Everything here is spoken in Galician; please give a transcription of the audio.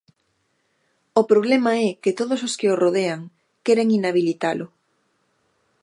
O problema é que todos os que o rodean queren inhabilitalo.